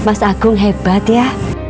mas agung hebat ya